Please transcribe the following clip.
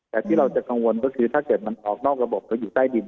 แต่ที่เราจะกังวลก็คือถ้าเกิดมันออกนอกระบบก็อยู่ใต้ดิน